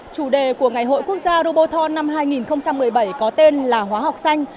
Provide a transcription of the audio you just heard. chủ đề của ngày hội quốc gia robot thon năm hai nghìn một mươi bảy có tên là hóa học xanh